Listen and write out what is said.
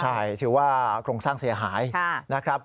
ใช่ถือว่าโครงสร้างเสียหายนะครับ